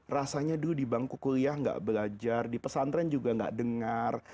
rasanya dulu di bangku kuliah nggak belajar di pesantren juga gak dengar